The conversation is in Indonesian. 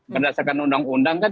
berdasarkan undang undang kan